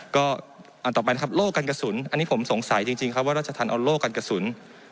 ก็อันต่อไปนะครับโล่กันกระสุนอันนี้ผมสงสัยจริงครับว่าราชธรรมเอาโล่กันกระสุน